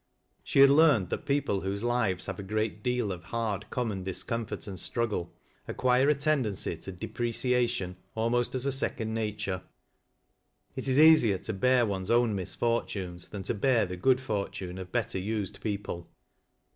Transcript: Slie had learned that people whose lives have a great deal of hard, common discomfort and struggle, acq^uire a tendency to i lepraciation almost as a second nature It is easier to beaj oiie's own misfortunes, than to bear the good fortune cii better iised people.